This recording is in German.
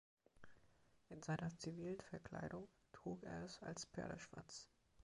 In seiner zivilen Verkleidung trug er es als Pferdeschwanz.